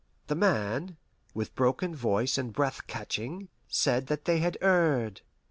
The man, with broken voice and breath catching, said that they had erred.